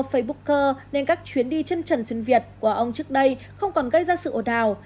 facebooker nên các chuyến đi chân trần xuyên việt của ông trước đây không còn gây ra sự ổn đào